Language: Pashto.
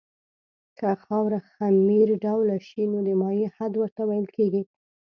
که خاوره خمیر ډوله شي نو د مایع حد ورته ویل کیږي